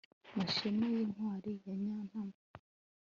Mashema yintwari ya Nyantaba